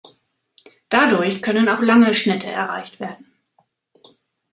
Dadurch können auch lange Schnitte erreicht werden.